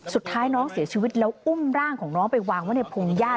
สุดท้ายน้องเสียชีวิตแล้วอุ้มร่างของน้องไปวางไว้ในพงญาติ